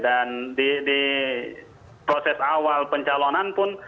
dan di proses awal pencalonan pun